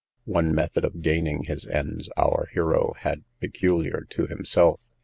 One method of gaining his ends our hero had peculiar to himself.